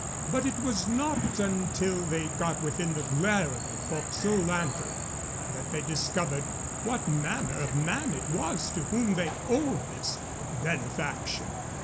But it was not until they got within the glare of the forecastle lantern that they discovered what manner of man it was to whom they owed this benefaction.